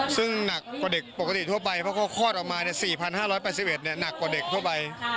ซึ่งหนักกว่าเด็กปกติทั่วไปพอโครวคลอดออกมาเนี่ย๔๕๘๑เนี่ยหนักกว่าเด็กทั่วไป